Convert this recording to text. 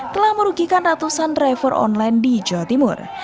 telah merugikan ratusan driver online di jawa timur